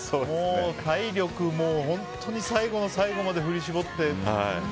体力も本当に最後の最後まで振り絞って。